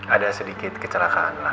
ada sedikit kecelakaan lah